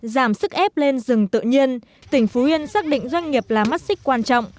giảm sức ép lên rừng tự nhiên tỉnh phú yên xác định doanh nghiệp là mắt xích quan trọng